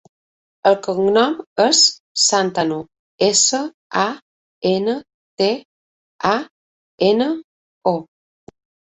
El cognom és Santano: essa, a, ena, te, a, ena, o.